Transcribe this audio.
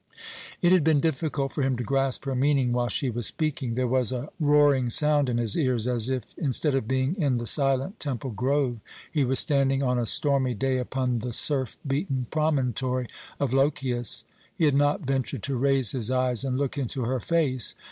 It had been difficult for him to grasp her meaning while she was speaking. There was a roaring sound in his ears as if, instead of being in the silent temple grove, he was standing on a stormy day upon the surf beaten promontory of Lochias. He had not ventured to raise his eyes and look into her face.